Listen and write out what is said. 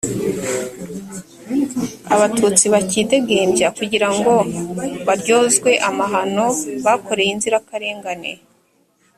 abatutsi bakidegembya kugirango baryozwe amahano bakoreye inzirakarengane